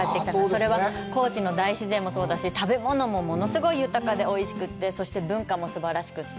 それは高知の大自然もそうだし、食べ物も物すごい豊かでおいしくて、そして文化もすばらしくって。